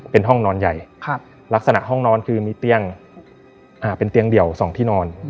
เป็นห้องนอนใหญ่ลักษณะห้องนอนคือมีเตียงเป็นเตียงเดี่ยว๒ที่นอน